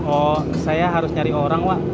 oh saya harus nyari orang pak